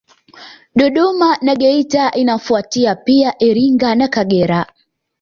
Dodoma na Geita inafuatia pia Iringa na Kagera